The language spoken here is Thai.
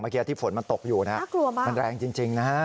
เมื่อกี้ที่ฝนมันตกอยู่นะน่ากลัวมากมันแรงจริงนะฮะ